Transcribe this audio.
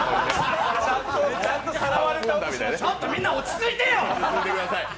ちょっとみんな、落ち着いてよ！